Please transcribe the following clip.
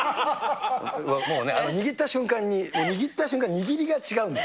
もうね、握った瞬間に、握った瞬間、握りが違うんだ。